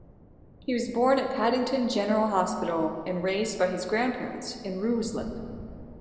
He was born at Paddington General Hospital and raised by his grandparents in Ruislip.